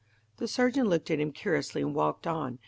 The surgeon looked at him curiously and walked on.